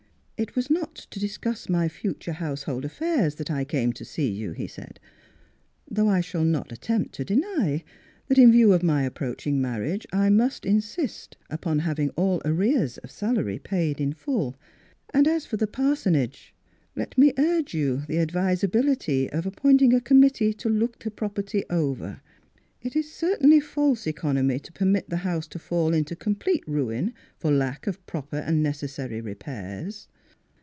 " It was not to discuss my future house hold affairs that I came to see you," he said, " though I shall not attempt to deny that in view of my approaching marriage I must insist upon having all arrears of salary paid in full. And as for the par sonage — let me urge upon you the ad visability of appointing a committee to look the property over. It is certainly false economy to permit the house to fall into complete ruin for lack of proper and necessary repairs."